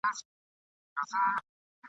نه مو نسیم ته نڅېدلی ارغوان ولیدی ..